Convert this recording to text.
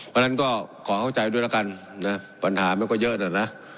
เพราะฉะนั้นก็ขอเข้าใจด้วยแล้วกันนะปัญหามันก็เยอะนะ